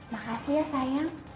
makasih ya sayang